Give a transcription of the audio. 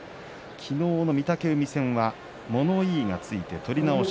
昨日の御嶽海戦は物言いがついて取り直し。